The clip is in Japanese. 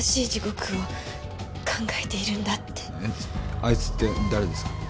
あいつって誰ですか？